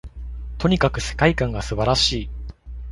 とにかく世界観が素晴らしい